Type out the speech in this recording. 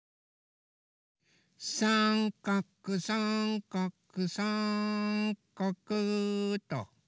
さんかくさんかくさんかくっと。